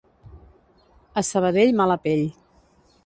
A Sabadell, mala pell.